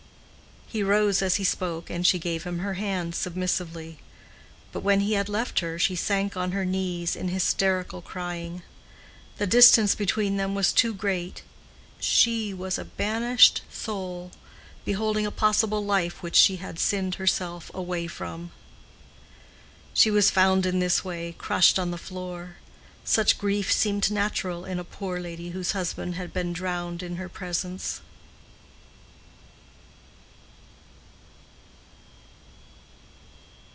He rose as he spoke, and she gave him her hand submissively. But when he had left her she sank on her knees, in hysterical crying. The distance between them was too great. She was a banished soul—beholding a possible life which she had sinned herself away from. She was found in this way, crushed on the floor. Such grief seemed natural in a poor lady whose husband had been drowned in her presence.